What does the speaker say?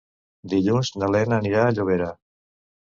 Dilluns na Lena anirà a Llobera.